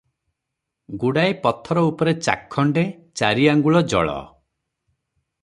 ଗୁଡ଼ାଏ ପଥର ଉପରେ ଚାଖଣ୍ଡେ, ଚାରି ଆଙ୍ଗୁଳ ଜଳ ।